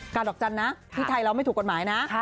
ดอกจันทร์นะที่ไทยเราไม่ถูกกฎหมายนะ